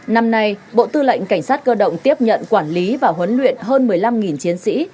năm nay bộ tư lệnh cảnh sát cơ động tiếp nhận quản lý và huấn luyện hơn một mươi năm chiến sĩ